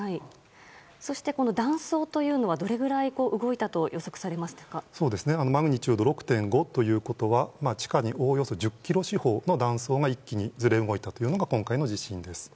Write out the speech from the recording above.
そして、断層というのはどれくらい動いたとマグニチュード６．５ということは地下におおよそ１０ｋｍ四方の断層が一気にずれ動いたというのが今回の地震です。